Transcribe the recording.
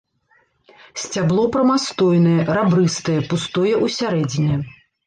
Сцябло прамастойнае, рабрыстае, пустое ў сярэдзіне.